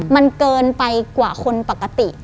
มันเกินไปกว่าคนปกติ